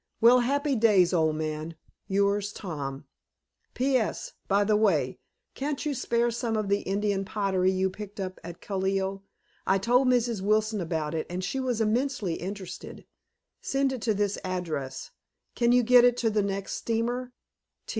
Well, happy days, old man. Yours, Tom P.S. By the way, can't you spare some of the Indian pottery you picked up at Callao? I told Mrs. Wilson about it, and she was immensely interested. Send it to this address. Can you get it to the next steamer?